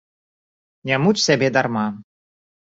Не муч сябе дарма.